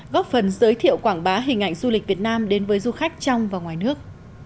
góp phần giới thiệu quảng bá hình ảnh du lịch việt nam đến với du khách trong và ngoài nước